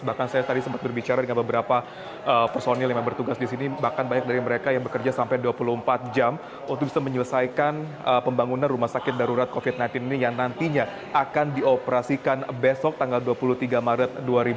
bahkan saya tadi sempat berbicara dengan beberapa personil yang bertugas di sini bahkan banyak dari mereka yang bekerja sampai dua puluh empat jam untuk bisa menyelesaikan pembangunan rumah sakit darurat covid sembilan belas ini yang nantinya akan dioperasikan besok tanggal dua puluh tiga maret dua ribu dua puluh